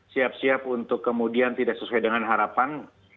siap siap untuk kemudian tidak sesuai dengan harapan